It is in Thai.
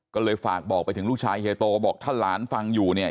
ก็เลยฝากบอกไปถึงลูกชายเฮียโตบอกถ้าหลานฟังอยู่เนี่ย